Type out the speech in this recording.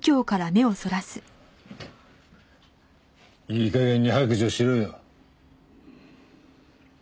いい加減に白状しろよ。